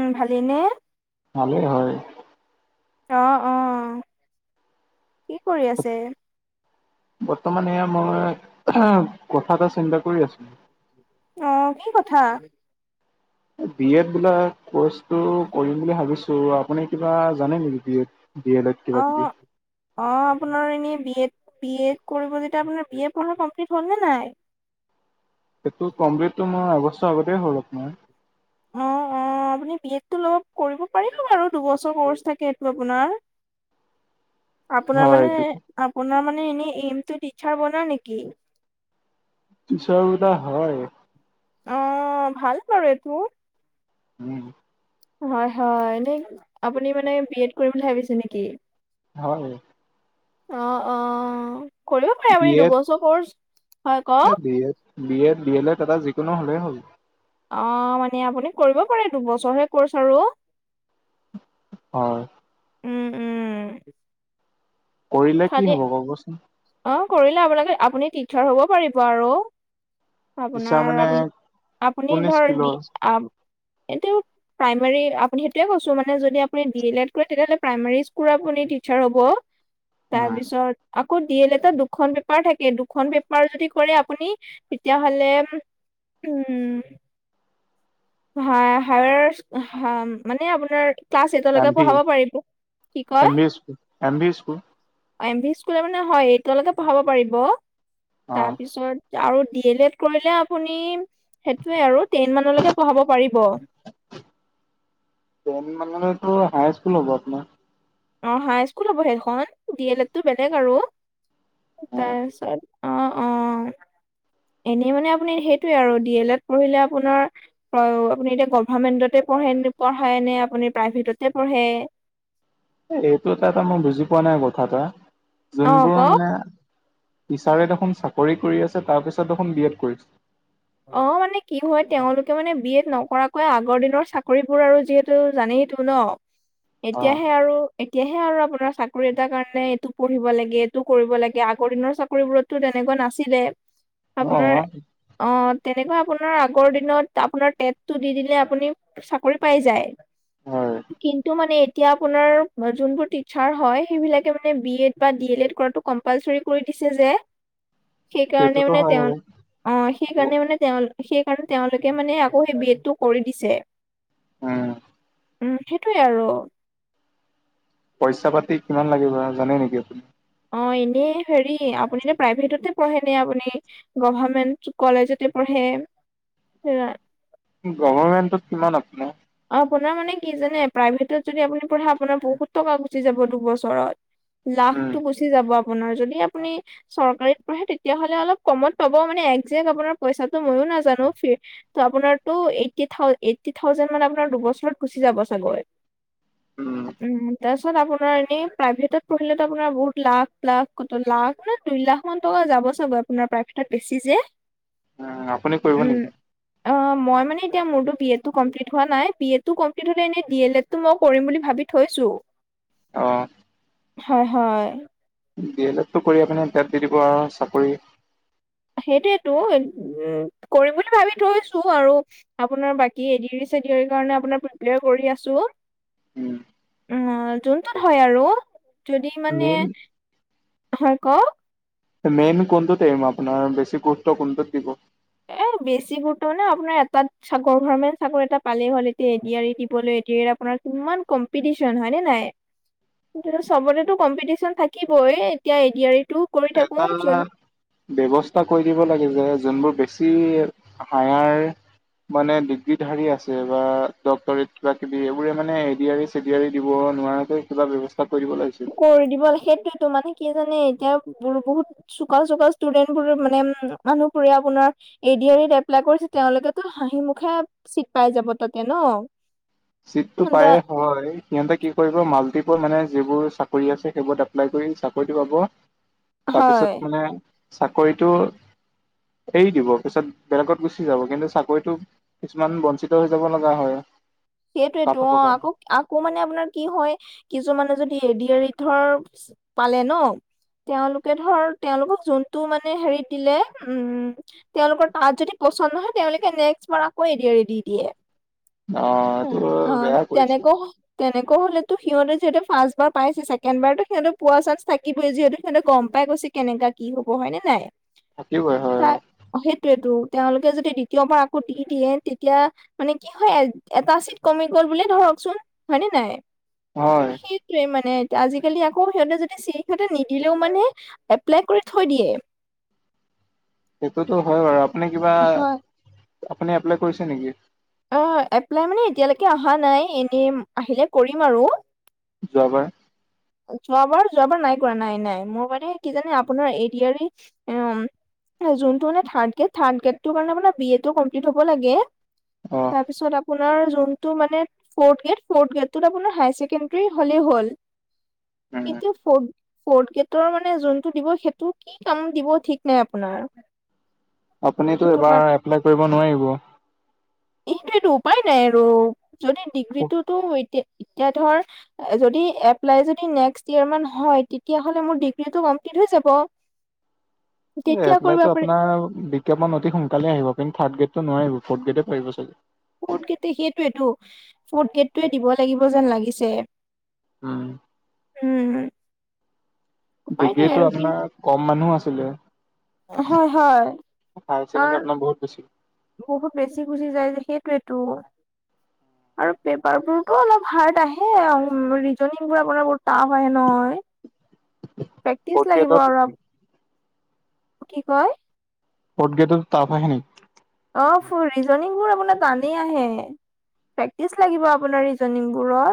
উম, ভালেই নে? ভালে হয়। অ অ, কি কৰি আছে? বৰ্তমান এয়া মই কথা এটা চিন্তা কৰি আছিলো। অ, কি কথা? এ, বি এড বোলা কৰ্চটো কৰিম বুলি ভাবিছোঁ। আপুনি কিবা জানে নেকি B Ed D El Ed কিবা অ। কিবি অ আপোনাৰ এনেই বি এড বি এড কৰিব যেতিয়া আপোনাৰ বি এ পঢ়া কমপ্লিট হ'লনে নাই? সেইটো কমপ্লিট টো মোৰ আগষ্টৰ আগতেই হ'ল আপোনাৰ। অ অ, আপুনি বি এড টো লব কৰিব পাৰিব বাৰু দুবছৰ কৰ্চ থাকে এইটো আপোনাৰ। [inaudible] আপোনাৰ হয় মানে আপোনাৰ মানে এনে এইম টো টিটচাৰ বনা নেকি? টিচাৰ বনা হয়। অ', ভাল বাৰু এইটো। উম। হয় হয়, এনেই আপুনি মানে বি এড কৰিম বুলি ভাবিছে নেকি? ভাবা নাই। অ', অ', কৰিব পাৰে আপুনি দুবছৰ ক'ৰ্চ। হয় এ কওক B Ed B El B El Ed যিকোনো এটা হ'লেই হ'ল। অ', মানে আপুনি কৰিব পাৰে দুবছৰহে ক'ৰ্চ আৰু। হয়। উম উম। কৰিলে কি খালি হ'ব বাৰু কোৱাচোন? অ', কৰিলে আপোনাকে, আপুনি টিচাৰ হ'ব পাৰিব আৰু। টিচাৰ আপোনাৰ মানে আপুনি, আপুনি কোন ধৰ দি স্কিলৰ আপ এইটো প্ৰাইমেৰী আপুনি, সেইটোৱে কৈছোঁ, মানে যদি আপুনি ডি এল এড কৰে তেতিয়াহ'লে প্ৰাইমাৰী স্কুলৰ আপুনি টিচাৰ হ'ব। তাৰপিছত আকৌ ডি এল এড ত দুখন পেপাৰ থাকে। দুখন পেপাৰ যদি কৰে আপুনি তেতিয়াহ'লে উম। হা হায়াৰ্চ, হা মানে আপোনাৰ ক্লাছ এম এইটলৈকে ভি পঢ়াব পাৰিব। কি কয়? M V school M V school M V স্কুলৰ মানে হয় এইতলৈকে পঢ়াব পাৰিব, অ তাৰপিছত আৰু ডি এল এড কৰিলে আপুনি সেইটোয়ে আৰু টেন মানলৈকে পঢ়াব পাৰিব। টেন মানলৈটো হাই স্কুল হ'ব আপোনাৰ। অ', হাই স্কুল হ'ব সেইখন, ডি এল এড টো বেলেগ আৰু। অ', তাৰপিছত অ', অ'। এনেই মানে আপুনি সেইটোৱে আৰু ডি এল এড পঢ়িলে আপোনাৰ অ', আপুনি এতিয়া গভামেন্টতে পঢ়েন পঢ়াই নে আপুনি প্ৰাইভেটতে পঢ়ে? এইটো এটা এটা মই বুজি পোৱা নাই কথা এটা অ যোনবোৰ কওক মানে টিচাৰে দেখোন চাকৰি কৰি আছে তাৰপিছত দেখোন বি এড কৰিছে। অ', মানে কি হয় তেওঁলোকে মানে বি এড নকৰাকৈ আগৰ দিনৰ চাকৰিবোৰ আৰু যিহেতু জানেইেতো ন। অ', এতিয়াহে আৰু এতিয়াহে আৰু আপোনাৰ চাকৰি এটাৰ কাৰণে এইটো পঢ়িব লাগে এইটো কৰিব লাগে আগৰ দিনৰ চাকৰিবোৰত টো তেনেকুৱা নাছিলে। আপোনাৰ অ', অ', তেনেকুৱা আপোনাৰ আগৰ দিনত আপোনাৰ টেটটো দি দিলে আপুনি চাকৰি পাই যায়। হয়। কিন্তু মানে এতিয়া আপোনাৰ যোনবোৰ টিচাৰ হয়, সেইবিলাকে মানে বি এড বা ডি এল এড কৰাতো কম্পালচৰি কৰি দিছে যে, সেইকাৰণে সেইটোতো মানে হয় তেওঁ অ', সেইকাৰণে মানে তেওঁ সেইকাৰণে তেওঁলোকে মানে আকৌ সেই বি এডটো কৰি দিছে। উম। উম সেইটোয়ে আৰু। পইচা পাতি কিমান লাগিব জানে নেকি আপুনি? অ', এনেই হেৰি আপুনি নে প্ৰাইভেটতে পঢ়ে নে আপুনি গভাৰ্মেণ্ট কলেজতে পঢ়ে, সেইয়াই। গভাৰ্মেণ্টত কিমান আছে? আপোনাৰ মানে কি জানে, প্ৰাইভেটত যদি আপুনি পঢ়ে আপোনাৰ বহুত টকা গুচি যাব দুবছৰত। উম, লাখটো গুচি যাব আপোনাৰ, যদিহে আপুনি। চৰকাৰীত পঢ়ে তেতিয়াহ'লে অলপ কমত পাব, মানে একজেক্ট আপোনাৰ পইচাটো ময়ো নাজানো। ত, আপোনাৰটো এইটি থাও, এইতটি থাউজেণ্ড মান টকা দুবছৰত গুচি যাব চাগৈ উম, তাৰ তাৰপিছত আপোনাৰ এনেই প্ৰাইভেটত পঢ়িলেতো আপোনাৰ বহুত লাখ, লাখ ক, লাখ মানে দুই লাখ মান টকা যাব চাগৈ। আপোনাৰ প্ৰায়ভেটত বেছি যে। উম, আপুনি কৰিব উম, নেকি? অ, মই মানে এতিয়া মোৰত বি, এটো, কমপ্লিট হোৱা নাই। বি, এ, টো, কমপ্লিট হ'লে এনেই ডি, এল, এডটো, মই কৰিম বুলি ভাবি থৈছো। অ, হয়, হয়। ডি, এ, লেত, কৰি আপিনি টেড দি দিব আৰু চাকৰি সেইটয়েতো উ, কৰিম বুলি ভাবি থৈছো আৰু। আপোনাৰ বাকী এডিয়াৰি, চেডিয়াৰি কাৰণে আপোনাৰ প্ৰিপাৰ কৰি আছো। উম, অ, যোনটোত হয় আৰু যদি মানে মেইন হয়, ক'ওক। মেইন কোনটোত এম আপোনাৰ বেছি গুৰুত্ব কোনটোত দিব? এ, বেছি গুৰুত্ব নাই আপোনাৰ, এটাত গভমেণ্ট চাকৰি এটা পালেই হ'ল, এতিয়া এডি-এৰি দিবলৈ এডিয়াৰি আপোনাৰ ইমান কম্পিটিচন হয়নে‌ নাই? কিন্তু, চবতেতো কম্পিটিচন থাকিবই, এতিয়া এডিয়াৰিটো এটা ব্যৱস্থা কৰি দিব লাগে যে, যোনবোৰ বেছি হায়াৰ মানে ডিগ্ৰীধাৰী আছে বা ডক্টৰেট কিবা কিবি এইবোৰে মানে এডিয়াৰি এডিয়াৰি দিব নোৱাৰতে, কিবা ব্যৱস্থা কৰিব লাগিছিল। কৰি দিব, সেইটোয়তো মানে কি জানে, এতিয়া মোৰ বহুত চোক-চোকা ষ্টুডেন্ট বোৰ মানে-মানুহপুৰে আপোনাৰ। এডিয়াৰিত, এপ্লাই কৰিছে, তেওঁলোকেতো হাঁহি মুখে চিট পাই যাব তাতে ন। চিটটো উম, পায়ে দা- হয়। সিহঁতে কি কৰিব, মাল্টিপ মানে যিবোৰ চাকৰি আছে, সেইবোৰত এপ্লাই কৰি চাকৰিটো পাব। হয়। তাৰপিছত মানে, চাকৰিটো এৰি দিব পিছত, বেলেগত গুচি যাব। কিন্তু চাকৰিটো কিছুমান বঞ্চিত হৈ যাব লগা হয়। কাট সেইটোৱেতো অ, অফৰ কাৰণে আকৌ, আকৌ মানে আপোনাৰ কি হয় কিছুমানে যদি এডিয়াৰি ধৰ পালে ন,? তেওঁলোকে ধৰ তেওঁলোকক যোনটো মানে হেৰি দিলে। উম, তেওঁলোকৰ তাত যদি পচন্দ নহয়, তেওঁলোকে নেক্সট বাৰ আকৌ এডিয়াৰি দি দিয়ে। অ, এইটো বাৰু বেয়া কৰিছে। তেনেকুৱা হলেতো, সিহঁতে ফাৰ্ষ্টাবাৰ পাইছে, চেকেণ্ডবাৰ সিহঁতে পোৱা চাঞ্চ থাকিবই, যিহেতু সিহঁতে গম পাই গৈছে। কেনেকুৱা কি হ'ব হয়নে নাই? থাকিবই হয়। অ, সেইটোৱেতো তেওঁলোকে যদি দ্বিতীয় বাৰ, আকৌ দি দিয়ে, তেতিয়া মানে কি হয় এটা চিট কমি গ'ল বোলে ধৰকচোন, হয়নে নাই? হয় সেইয়ে মানে এতিয়া আজিকালি আকৌ সিহঁতে যদি সিহঁতে নিদিলেও মানে, এপ্লাই কৰি থৈ দিয়ে। সেইটোতো হয় বাৰু, আপুনি কিবা হয়। আপুনি এপ্লাই কৰিছে নেকি? অ, এপ্লাই মানে এতিয়ালৈকে অহা নাই, এনে আহিলে কৰিম আৰু। যোৱাবাৰ। যোৱাবাৰ যোৱাবাৰ নাই কৰা নাই নাই মোৰ মানে কি জানে আপোনাৰ এডি আৰ ই উম যোনটো মানে থাৰ্ড গ্ৰেড থাৰ্ড গ্ৰেডটো কাৰণে মানে বি এ টো কমপ্লিট হব লাগে অ তাৰপিছত আপোন তাৰ যোনটো মানে ফৰ‌ড গ্ৰেড ফৰ্ড গ্ৰেডটোত আপোনাৰ হাই চেকেণ্ডেৰী হলেই হ'ল উম কিন্তু ফৰ্ড ফৰ্থ গেডৰ মানে যোনটো দিব সেইটো কি কাম দিব ঠিক নাই আপোনাৰ আপুনিতো এইবাৰ এপ্লাই কৰিব নোৱাৰিব এইটোৱেটো উপায় নাই আৰু যদি ডিগ্ৰীটোতো এতিয়া এতিয়া ধৰ যদি এড এপ্লাই‌ যদি নেক্স ইয়াৰ মান হয় তেতিয়া হলে মোৰ ডিগ্ৰী টো কমপ্লিট হৈ যাব তেতিয়া কৰিব এপ্লাইটো পাৰি আপোনাৰ বিজ্ঞাপান অতি সোনকালে আহিব কিন্তু থাৰ্ড গ্ৰেডটো নোৱাৰিব ফৰ্থ গ্ৰেডে পাৰিব চাগে ফৰ্থ গেতে, সেইটোৱেটো, ফৰ্থ গেটটোৱে দিব লাগিব যেন লাগিছে উম' উম' উপায় নাই ডিগ্ৰীটো আৰু কি আপোনাৰ কম মানুহ আছিলে হয়', হয়' হায়াৰ ছেকেণ্ডেৰী কাৰণ আপোনাৰ বহুত বেছি বহুত বেছি গুচি যায় যে, সেইটোৱেটো- [inaudible] আৰু পেপাৰ বোৰতো অলপ হাৰ্ড আহে, আৰ ৰিজনিং বোৰ আপোনাৰ বহুত টাফ আহে নহয় প্ৰেক্টিচ ফৰ্থ লাগিব গ্ৰেডত অলপ কি কয়? ফৰ্ট গেটত তাফ আহে নি? অ', ফ ৰিজনিংবোৰ আপোনাৰ টানেই আহে। প্ৰেক্টিচ লাগিব আপোনাৰ ৰিজনিংবোৰৰ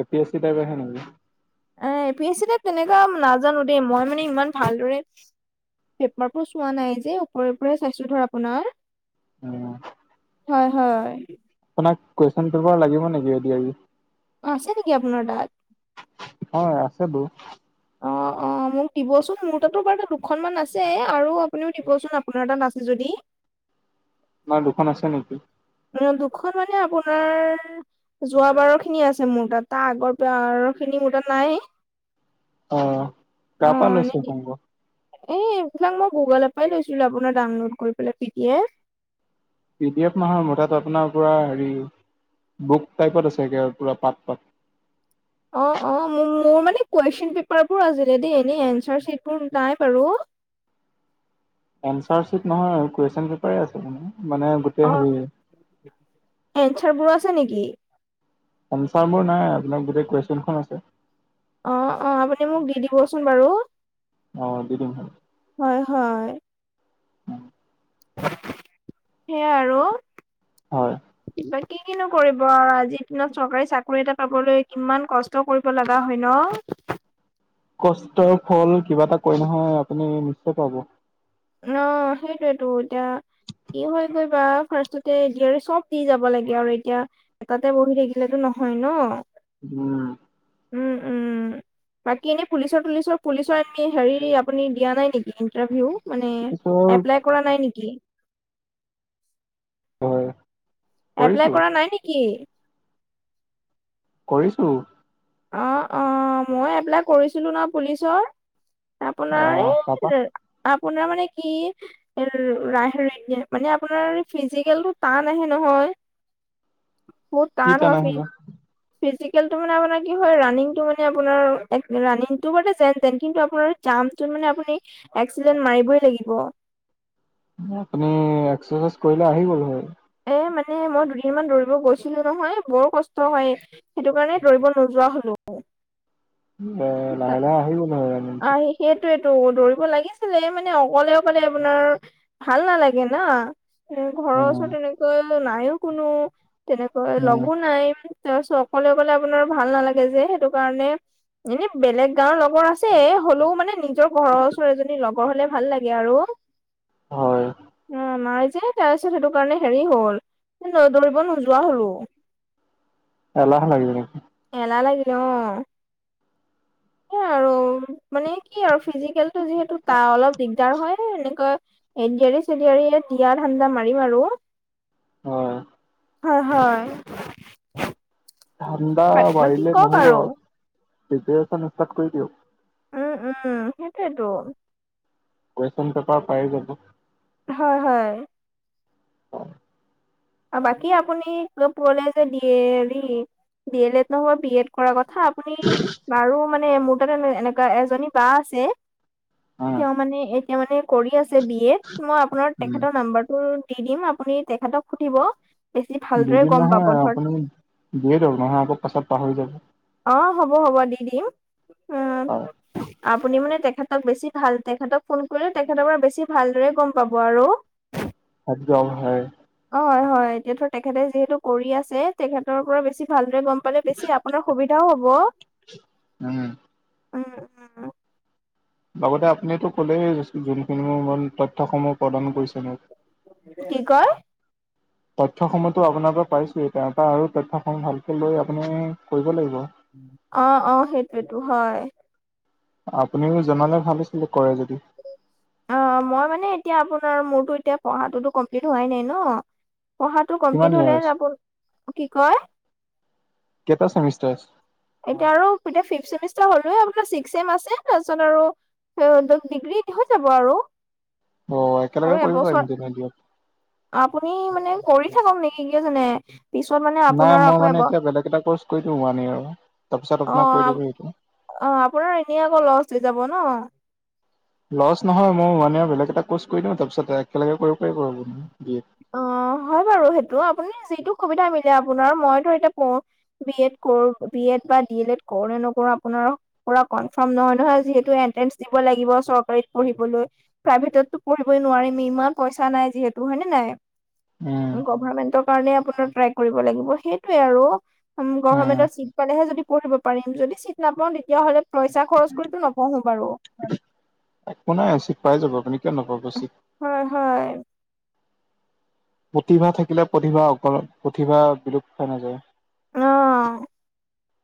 A P S C type আহে নেকি? A P A C type তেনেকুৱা নাজানো দেই, মই মানে ইমান ভালদৰে পেপাৰবোৰ চোৱা নাই যে, ওপৰে ওপৰে চাইছো ধৰ আপোনাৰ সেয়া হয়', হয়' আপোনাক কুৱেচন পেপাৰ লাগিব নেকি, এ ডি আৰ ই? অ', আছে নেকি আপোনাৰ তাত? অ আছে টো। অ', অ', মোক দিবচোন, মোৰ তাতো বাৰু দুখনমান আছে আৰু আপুনিও দিবচোন আপোনাৰ তাত আছে যদি। তোমাৰ দুখন আছে নিকি? দুখন মানে আপোনাৰ যোৱা বাৰৰ খিনি আছে মোৰ তাত, তাৰ আগৰ বাৰৰ খিনি মোৰ তাত নাই। অ', কা পা লৈছে সংগ্ৰহ? এই এইবিলাক মই গুগলৰ পৰাই লৈছিলো আপোনাৰ ডাউনলোড কৰি পেলাই P D F. P D F নহয় মোৰ তাত আপোনাৰ পুৰা হেৰি বুক টাইপত আছেগে আৰু পুৰা পাত পাত। অ', অ', মোৰ মোৰ মানে কুৱেশচন পেপাৰ বোৰ আছিলে দেই এনেই এনচাৰ শ্বিট বোৰ নাই বাৰু এনচাৰ চিট নহয়, কুৱেশন পেপাৰ আছে মানে অ। গোটেই হেৰি এনচাৰ বোৰ আছে নিকি? এনচাৰ বোৰ নাই আপোনাৰ গোটেই কুৱেশনখন আছে। অ', অ', আপুনি মোক দি দিবচোন বাৰু- অ', দি দিম হয় হয়, হয়। সেইয়া আৰু হয়। বাকী কিনো কৰিব আৰু, আজিৰ দিনত চৰকাৰী চাকৰি এটা পাবলৈ কিমান কচ ষ্ট কৰিব লগা হয় ন! কষ্টৰ ফল, কিবা এটা কয় নহয়, আপুনি নিশ্চয় পাব। অ', সেইটোৱেতো, এতিয়া কি হয় গৈ বা, ফাৰ্ষ্টতে এ দি আৰ ই চব দি যাব লাগে আৰু এতিয়া। এটাতে বহি থাকিলেতো নহয় ন! উম। উম, উম। বাকী এনেই পুলিচৰ-তুলিচৰ পুলিচৰ আপুনি হেৰি আপুনি দিয়া নাই নেকি, ইন্টাৰভিউ? মানে পিছত এপ্লাই কৰা নাই নেকি? হয়। এপ্লাই কৰিছো কৰা নাই নেকি? কৰিছোঁ। অ, অ, মই এপ্লাই কৰিছিলো নহয় পুলিচৰ৷ আপোনাৰ আহ তাপা এই, আপোনাৰ মানে কি ৰা মানে আপোনাৰ ফিজিকেলটো টান আহে নহয়। [inaudible] বহুত কি টান হয়, আহিলে ফি-ফিজিকেলটো মানে আপোনাৰ কি হয় ৰাণিংটো মানে আপোনাৰ, ৰাণিংটো মানে যেন-তেন, কিন্তু আপোনাৰ জাম্পটো মানে আপুনি এক্সিলেণ্ট মাৰিবই লাগিব। তুমি এক্সাৰচাইজ কৰিলে আহি গ'ল হয়। এ, মানে মই দুদিন মান দৌৰিব গৈছিলো নহয়, বৰ কষ্ট হয়। সেইটো কাৰণে দৌৰিব নোযোৱা হ'লো আকৌ। অ, লাহে-লাহে আহি গ'ল হয় ৰানিং। সেইটোৱেটো, দৌৰিব লাগিছিলে, মানে অকলে-অকলে আপোনাৰ ভাল নালাগে ন। উম, ঘৰৰ ওচৰত উম তেনেকৈ নাইও কোনো, তেনেকৈ উম লগো নাই। তাৰপিছত অকলে-অকলে আপোনাৰ ভাল নালাগে যে, সেইটো কাৰণে এনেই বেলেগ গাঁৱৰ লগৰ আছে, হ'লেও মানে নি নিজৰ ঘৰৰ ওচৰৰ এজনী লগৰ হ'লে ভাল লাগে আৰু, হয় উম, নাই যে। তাৰপিছত সেইটো কাৰণে হেৰি হ'ল, এই দৌৰিব নোযোৱা হ'লো। এলাহ লাগিল নেকি? এলাহ লাগিলে, অ। সেই আৰু, মানে কি আৰু, ফিজিকেলটো যিহেতু তা অলপ দিগদাৰ হয়, এনেকৈ এডিআৰী-চেডিয়াৰী দিয়াৰ ধান্দা মাৰিম আৰু। হয়। হয়, হয়। ঠাণ্ডা বা- বাকী বাঢ়িলে কওক নহ'ব, আৰু। প্ৰিপাৰেচন ইষ্টাৰ্ট কৰি দিয়ক। উম, উম, সেইটোৱেতো। কুৱেশ্যন পেপাৰ পায়েই যাব। হয়, হয়। অ। আৰু বাকী আপুনি কলে যে ডি এ হেৰি ডি এল এড নহয় বি এড কৰা কথা আপুনি বাৰু মানে মোৰ তাতে এ এনেকোৱা এজনী বা আছে অ তেওঁ মানে এতিয়া মানে কৰি আছে বি এড মই আপোনাৰ উম, তেখেতৰ নাম্বাৰটো দি দিম আপুনি তেখেতক সুধিব বেছি ভালদৰে দুদিন গম পাব নহয় ধৰা আপুনি দিয়ে দিয়ক নহলে আকৌ পাছত পাহৰি যাব। অ হ'ব হ'ব দি দিম। উম হয় আপুনি মানে তেখেতক বেছি ভাল তেখেতক ফোন কৰিলে তেখেতৰ পৰা বেছি ভালদৰে গম পাব আৰু একদম হয়। অ হয় হয় যিহেতু তেখেতে যিহেতু কৰি আছে তেখেতৰ পৰা বেছি ভালদৰে গম পালে বেছি আপোনাৰ সুবিধাও হব উম। উম। লগতে আপুনিতো ক'লেই যোনখিনি তথ্যসমূহ প্ৰদান কৰিছে মোক কি কয় [inaudible] তথ্যসমূহতো আপোনাৰ পৰা পাইছোয়েই তাৰ পৰা আৰু তথ্যসমূহ ভালকে লৈ আপুনি কৰিব লাগিব অ অ সেইটোৱেতো হয় আপুনিও জনালে ভাল আছিলে কৰে যদি। অ মই মানে এতিয়া আপোনাৰ মোৰতো এতিয়া পঢ়াটোতো কমপ্লিট হোৱাই নাই ন পঢ়াটো কিমান কমপ্লিট ইয়াৰ হলে আছে? যাব কি কয় কেইটা ছেমিষ্টাৰ আছে? এতিয়া আৰু এতিয়া ফিফ চেমিষ্টাৰ হ'লোৱে আপোনাৰ ছিক্স ছেম আছে তাৰপাছত আৰু সেইটো ডিগ্ৰী শেষ হৈ যাব আৰু অ' একেলগে আৰু কৰিব পাৰিম এবছৰ তেনে দিয়ক। আপুনি মানে কৰি থাকক নেকি কিয় জানে? পিছত মানে নাই আপোনাৰ মই আকৌ মানে এব এতিয়া বেলেগ এটা কৰ্চ কৰি দিও ওৱান ইয়েৰৰ তাৰপিছত অ আপোনাক কৰি দিব এইটো। অ আপোনাৰ এনেই আকৌ লচ হৈ যাব ন। লচ নহয় মই ওৱান ইয়েৰৰ বেলেগ এটা কৰ্চ কৰি দিও তাপিছত একেলগে কৰিব পাৰিম আৰু। [unintelligible] [unintelligible] হয় বাৰু সেইটো আপুনি যিটো সুবিধা মিলে আপোনাৰ মইতো এতিয়া পঢ়ো বি এড কৰো বি এড বা ডি এল এড কৰো নে নকৰো আপোনাৰ পুৰা কনফাৰ্ম নহয় নহয় যিহেতু এট্ৰেন্ঞ্চ দিব লাগিব চৰকাৰিত পঢ়িবলৈ। প্ৰাইভেটততো পঢ়িবই নোৱাৰিম ইমান পইছা নাই যিহেতু হয় নে নাই উম গভামেন্টৰ কাৰণে আপোনাৰ ট্ৰাই কৰিব লাগিব সেইটোৱে আৰু উম গভমেন্টত চিট পালেহে যদি পঢ়িব পাৰিম যদি চিত নাপাও তেতিয়াহ'লে পইছা খৰচ কৰিতো নপঢ়ো বাৰু একো নাই চিত পাই যাব আপুনি কিয় নাপাব চিত হয় হয় প্ৰতিভা থাকিলে প্ৰতিভা অকল প্ৰতিভা বিলুপ্ত হৈ নাযায়। অ